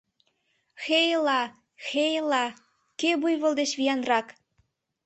Хай-ла-а, хай-ла-а, кӧ буйвол деч виянрак?